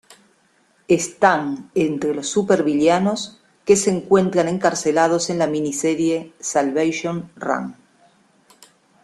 Están entre los supervillanos que se encuentran encarcelados en la mini-serie "Salvation Run".